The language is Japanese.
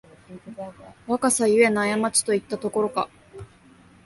若さゆえのあやまちといったところか